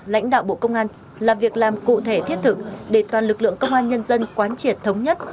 lãnh đạo bộ công an là việc làm cụ thể thiết thực để toàn lực lượng công an nhân dân quán triệt thống nhất